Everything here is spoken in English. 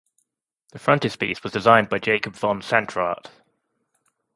The frontispiece was designed by Jacob von Sandrart.